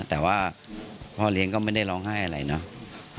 แต่ว่าพ่อเลี้ยงก็ไม่ได้ร้องไห้อะไรเนาะ